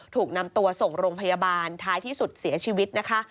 ถูกนำตัวส่งโรงพยาบาลท้ายที่สุดเสียชีวิตนะคะ